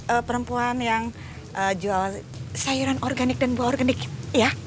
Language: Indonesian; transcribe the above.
ada perempuan yang jual sayuran organik dan buah organik ya